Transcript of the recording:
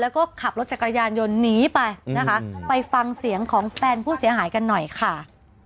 แล้วก็ขับรถจักรยานยนต์หนีไปนะคะไปฟังเสียงของแฟนผู้เสียหายกันหน่อยค่ะ